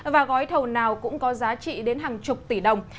và gói thầu nào cũng có giá trị đến hàng chục tỷ đồng